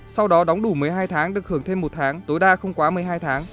sau đó đóng đủ một mươi hai tháng được hưởng thêm một tháng tối đa không quá một mươi hai tháng